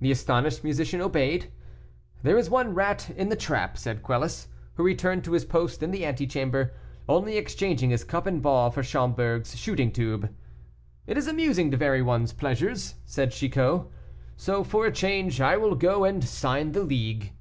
The astonished musician obeyed. "There is one rat in the trap," said Quelus, who returned to his post in the antechamber, only exchanging his cup and ball for Schomberg's shooting tube. "It is amusing to vary one's pleasures," said Chicot; "so for a change I will go and sign the League."